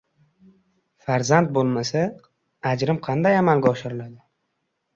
Farzand bo`lmasa, ajrim qanday amalga oshiriladi?